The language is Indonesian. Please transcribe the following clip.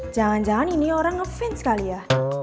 jangan jangan ini orang nge fins kali ya